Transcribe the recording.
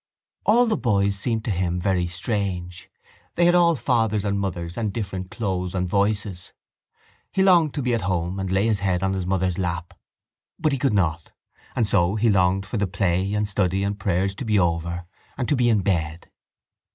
All the boys seemed to him very strange. They had all fathers and mothers and different clothes and voices. He longed to be at home and lay his head on his mother's lap. But he could not: and so he longed for the play and study and prayers to be over and to be in bed.